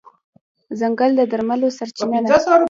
ځنګل د درملو سرچینه ده.